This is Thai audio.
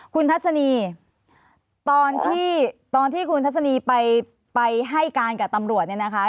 คุณทัศนีตอนที่ตอนที่คุณทัศนีไปให้การกับตำรวจเนี่ยนะคะ